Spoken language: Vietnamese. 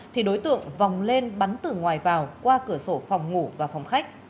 thì đối tượng vòng lên bắn từ ngoài vào qua cửa sổ phòng ngủ và phòng khách